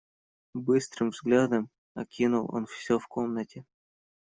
Быстрым взглядом окинул он всё в комнате.